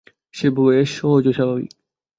সে বেশ সহজ ও স্বাভাবিক।